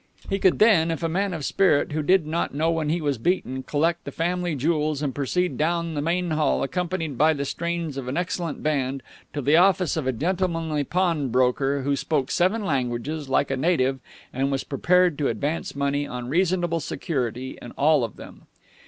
He could then, if a man of spirit, who did not know when he was beaten, collect the family jewels, and proceed down the main hall, accompanied by the strains of an excellent band, to the office of a gentlemanly pawnbroker, who spoke seven languages like a native and was prepared to advance money on reasonable security in all of them.